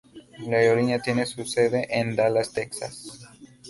La aerolínea tiene su sede en Dallas, Texas.